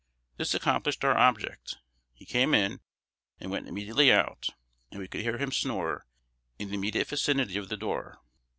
This accomplished our object. He came in and went immediately out; and we could hear him snore, in the immediate vicinity of the door.